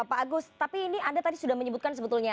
pak agus tapi ini anda tadi sudah menyebutkan sebetulnya